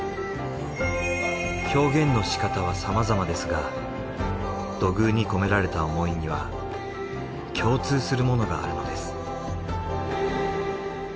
表現の仕方はさまざまですが土偶に込められた思いには共通するものがあるのです。